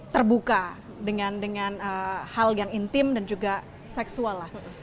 terbuka dengan hal yang intim dan juga seksual lah